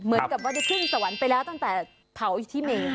เหมือนกับว่าได้ขึ้นสวรรค์ไปแล้วตั้งแต่เผาอยู่ที่เมน